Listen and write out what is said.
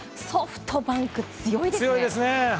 ソフトバンク強いですね。